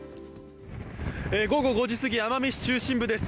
午後５時過ぎ奄美市中心部です。